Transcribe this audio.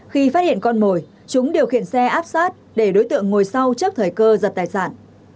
khi phát hiện con mồi chúng điều khiển xe áp sát để đối tượng ngồi sau trước thời cơ giật tài sản